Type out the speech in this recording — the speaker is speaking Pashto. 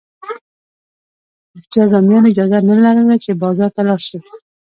جذامیانو اجازه نه لرله چې بازار ته لاړ شي.